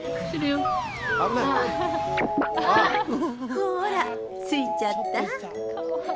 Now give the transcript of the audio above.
ほーら、ついちゃった。